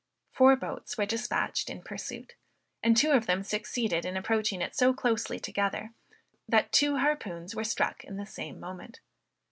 Four boats were dispatched in pursuit, and two of them succeeded in approaching it so closely together, that two harpoons were struck at the same moment.